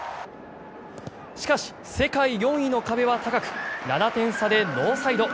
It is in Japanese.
しかし、世界４位の壁は高く７点差でノーサイド。